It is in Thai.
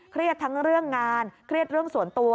ทั้งเรื่องงานเครียดเรื่องส่วนตัว